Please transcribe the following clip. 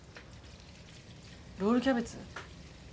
ロールキャベツ？